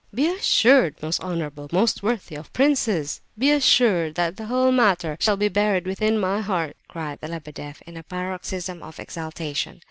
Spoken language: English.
"Be assured, most honourable, most worthy of princes—be assured that the whole matter shall be buried within my heart!" cried Lebedeff, in a paroxysm of exaltation.